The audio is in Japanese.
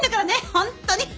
本当に。